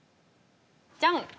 じゃん。